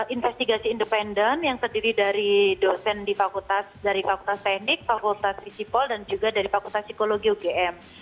investigasi independen yang terdiri dari dosen di fakultas teknik fakultas visipol dan juga dari fakultas psikologi ugm